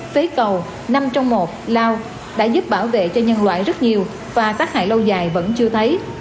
phế cầu năm trong một lao đã giúp bảo vệ cho nhân loại rất nhiều và tác hại lâu dài vẫn chưa thấy